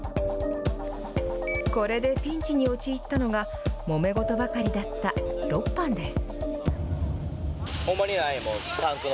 これでピンチに陥ったのがもめ事ばかりだった６班です。